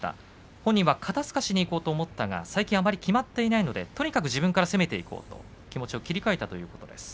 本人は肩すかしにいこうと思ったが最近あまりきまっていないのでとにかく自分から攻めていこうと気持ちを切り替えたということです。